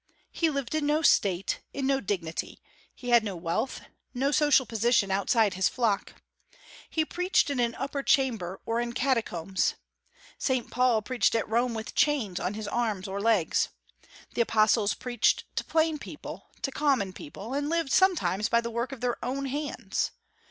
He lived in no state, in no dignity; he had no wealth, and no social position outside his flock. He preached in an upper chamber or in catacombs. Saint Paul preached at Rome with chains on his arms or legs. The apostles preached to plain people, to common people, and lived sometimes by the work of their own hands.